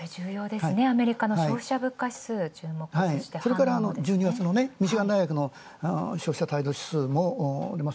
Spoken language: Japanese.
アメリカの消費者物価指数これから１２月のミシガン大学の消費者指数もあります。